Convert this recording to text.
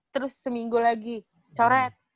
terus seminggu lagi coret